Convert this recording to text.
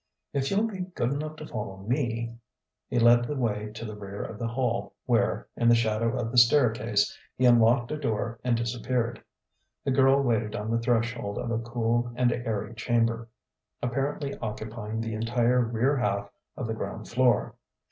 "If you'll be good enough to follow me " He led the way to the rear of the hall, where, in the shadow of the staircase, he unlocked a door and disappeared. The girl waited on the threshold of a cool and airy chamber, apparently occupying the entire rear half of the ground floor.